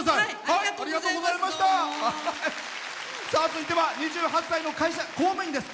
続いては２８歳の公務員です。